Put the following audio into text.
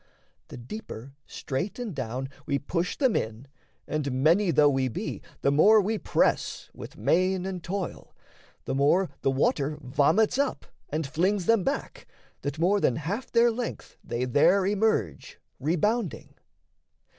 The deeper, straight and down, We push them in, and, many though we be, The more we press with main and toil, the more The water vomits up and flings them back, That, more than half their length, they there emerge, Rebounding.